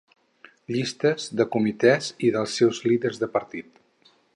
Llistes de comitès i dels seus líders de partit.